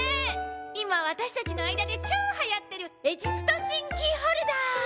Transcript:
今私たちの間でチョーはやってるエジプト神キーホルダー！